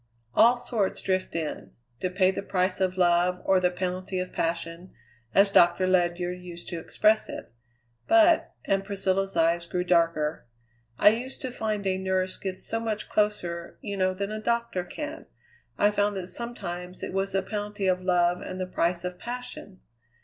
All sorts drift in to pay the price of love or the penalty of passion, as Doctor Ledyard used to express it; but" and Priscilla's eyes grew darker "I used to find a nurse gets so much closer, you know, than a doctor can I found that sometimes it was the penalty of love and the price of passion.